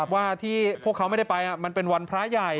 ว่าที่พวกเขาไม่ได้ไปมันเป็นวันพระใหญ่